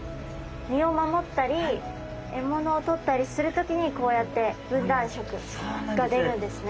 身を守ったり獲物をとったりする時にこうやって分断色が出るんですね。